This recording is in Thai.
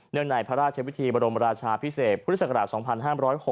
ในพระราชวิธีบรมราชาพิเศษพุทธศักราช๒๕๖๖